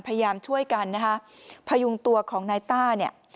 พยายามช่วยกันนะคะพยุงตัวของนายต้าเนี่ย